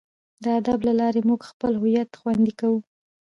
د ادب له لارې موږ خپل هویت خوندي کوو.